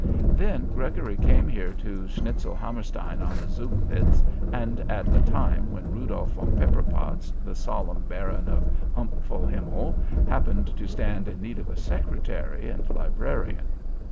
"Then Gregory came here to Schnitzelhammerstein on the Zugvitz, and at a time when Rudolf von Pepperpotz, the solemn Baron of Humpfelhimmel, happened to stand in need of a secretary and librarian.